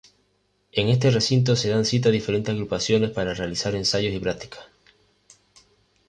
En este recinto se dan cita diferentes agrupaciones para realizar ensayos y prácticas.